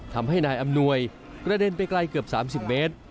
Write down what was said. ทำให้นายอำนวยกระเด็นไปไกลเกือบ๓๐เมตร